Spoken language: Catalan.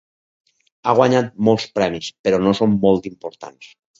Ha guanyat molts premis però no són molt importants.